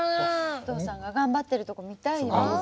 お父さんが頑張ってるとこ見たいな。